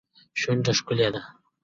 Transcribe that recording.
شونډه ښکلې دي.